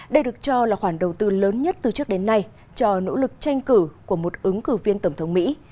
đây được cho là khoản đầu tư lớn nhất từ trước đến nay cho nỗ lực tranh cử của một ứng cử viên tổng thống mỹ